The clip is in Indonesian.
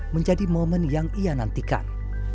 menjadi momen yang ia nantikan